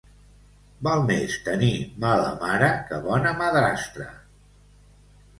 Val més tenir mala mare que bona madrastra.